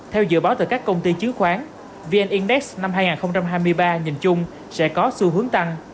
theo dự báo từ các công ty chứng khoán vn index năm hai nghìn hai mươi ba nhìn chung sẽ có xu hướng tăng